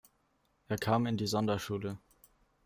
Er kam in die Sonderschule.